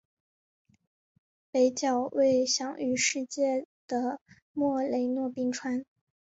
北角为享誉世界的莫雷诺冰川。